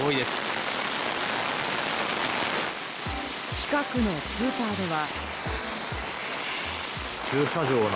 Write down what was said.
近くのスーパーでは。